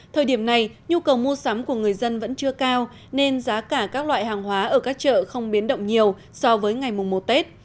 thời điểm này nhu cầu mua sắm của người dân vẫn chưa cao nên giá cả các loại hàng hóa ở các chợ không biến động nhiều so với ngày mùng một tết